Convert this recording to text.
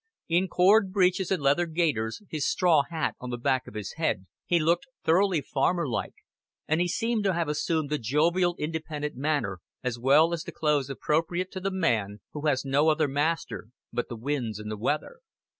In cord breeches and leather gaiters, his straw hat on the back of his head, he looked thoroughly farmer like, and he seemed to have assumed the jovial independent manner as well as the clothes appropriate to the man who has no other master but the winds and the weather.